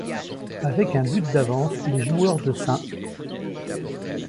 Avec un but d'avance, les joueurs de St.